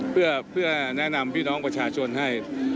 เพื่อแนะนำพี่น้องประชาชนให้